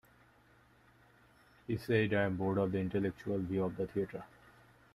He said: I am bored of the intellectual view of the theatre.